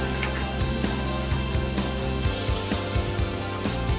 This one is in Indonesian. kita masuk ke dalamnya